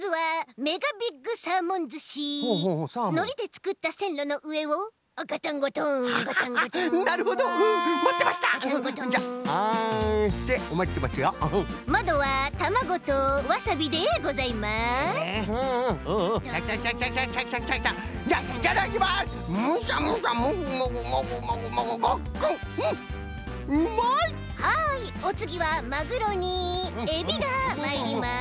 はいおつぎはマグロにエビがまいります。